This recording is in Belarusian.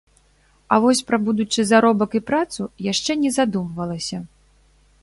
А вось пра будучы заробак і працу яшчэ не задумвалася.